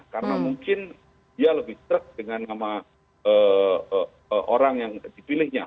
karena mungkin dia lebih terkejut dengan nama orang yang dipilihnya